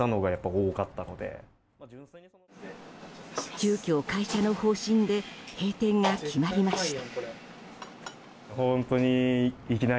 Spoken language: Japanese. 急きょ、会社の方針で閉店が決まりました。